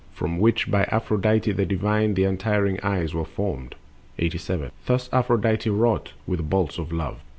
From which by Aphrodite, the divine, The untiring eyes were formed. 87. Thus Aphrodite wrought with bolts of love.